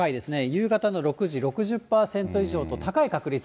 夕方の６時、６０％以上と高い確率で。